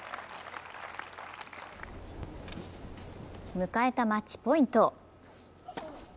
迎えたマッチポイント。